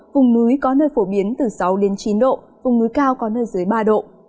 vùng núi có nơi phổ biến từ sáu đến chín độ vùng núi cao có nơi dưới ba độ